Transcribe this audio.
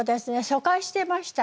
疎開してました。